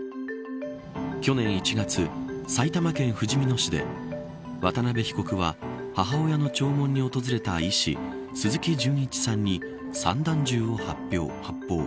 去年１月、埼玉県ふじみ野市で渡辺被告は母親の弔問に訪れた医師鈴木純一さんに散弾銃を発砲。